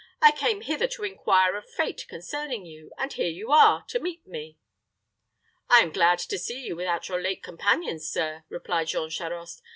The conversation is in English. I came hither to inquire of Fate concerning you; and here you are, to meet me." "I am glad to see you without your late companions, sir," replied Jean Charost.